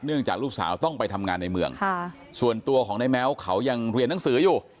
จากลูกสาวต้องไปทำงานในเมืองส่วนตัวของนายแม้วเขายังเรียนหนังสืออยู่